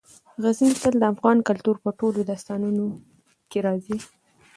غزني تل د افغان کلتور په ټولو داستانونو کې راځي.